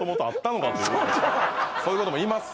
そうそうそういうことも言います